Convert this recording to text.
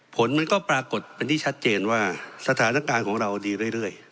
ผลมันก็ปรากฏเป็นที่ชัดเจนว่าสถานการณ์ของเราดีเรื่อย